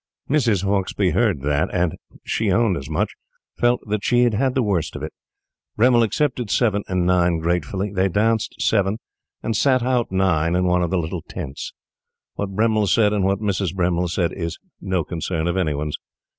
Mrs. Hauksbee heard that, and she owned as much felt that she had the worst of it. Bremmil accepted 7 and 9 gratefully. They danced 7, and sat out 9 in one of the little tents. What Bremmil said and what Mrs. Bremmil said is no concern of any one's.